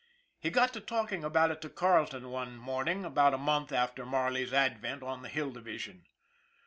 He got to talking about it to Carleton one morning about a month after Marley's advent to the Hill Division.